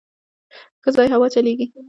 _ښه ځای دی، هوا چلېږي.